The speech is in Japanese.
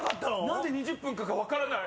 何で「２０分」かが分からない。